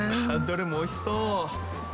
どれもおいしそう。